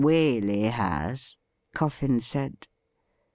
' Waley has,' Coffin said.